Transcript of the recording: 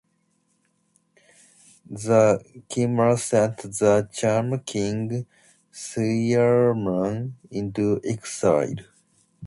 The Khmer sent the Cham king Suryavarman into exile.